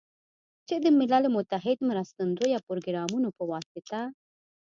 چې د ملل متحد مرستندویه پروګرامونو په واسطه